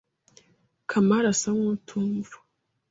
Kamari asa nkutumva.